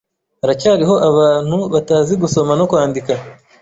Haracyariho abantu batazi gusoma no kwandika